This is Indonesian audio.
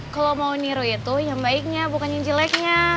kalau mau niru itu yang baiknya bukan yang jeleknya